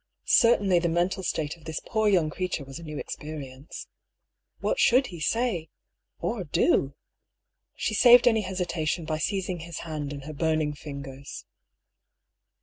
Certainly the mental state of this poor young creature was a new experience. What should he say — or do? She saved any hesitation by seizing his hand in her burning fin gers.